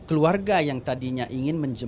dan keluarga yang tadinya ingin menangkan itu